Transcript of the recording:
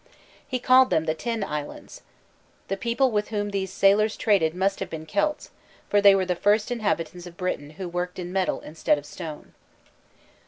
He called them the "Tin Islands." The people with whom these sailors traded must have been Celts, for they were the first inhabitants of Britain who worked in metal instead of stone.